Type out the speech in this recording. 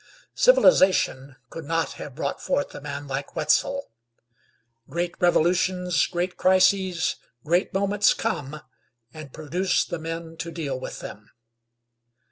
Civilization could not have brought forth a man like Wetzel. Great revolutions, great crises, great moments come, and produce the men to deal with them.